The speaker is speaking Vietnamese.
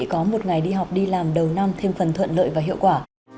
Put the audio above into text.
có một ngày đi học đi làm đầu năm thêm phần thuận lợi và hiệu quả